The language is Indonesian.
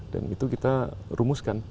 dan itu kita rumuskan